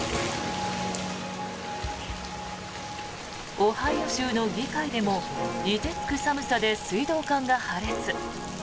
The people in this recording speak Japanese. オハイオ州の議会でも凍てつく寒さで水道管が破裂。